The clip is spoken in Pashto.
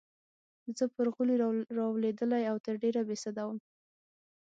زه پر غولي رالوېدلې او تر ډېره بې سده وم.